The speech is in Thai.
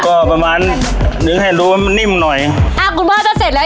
ก็ประมาณเนิ้นให้ดูว่ามันนิ่มหน่อยอะคุณพ่อจะเสร็จแล้ว